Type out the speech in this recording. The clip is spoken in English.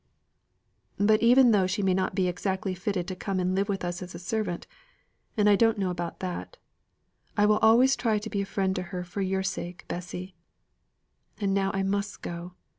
"But even though she may not be exactly fitted to come and live with us as a servant and I don't know about that I will always try to be a friend to her for your sake, Bessy. And now I must go.